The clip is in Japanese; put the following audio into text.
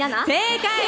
正解！